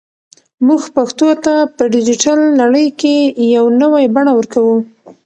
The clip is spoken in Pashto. موږ پښتو ته په ډیجیټل نړۍ کې یو نوی بڼه ورکوو.